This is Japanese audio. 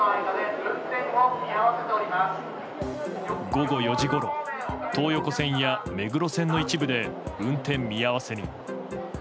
午後４時ごろ東横線や目黒線の一部で運転見合わせに。